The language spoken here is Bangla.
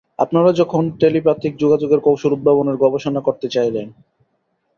আপনারা যখন টেলিপ্যাথিক যোগাযোগের কৌশল উদ্ভাবনের গবেষণা করতে চাইলেন।